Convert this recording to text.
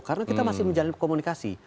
karena kita masih menjalin komunikasi